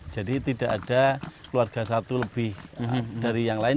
jadi tidak ada keluarga satu lebih dari yang lain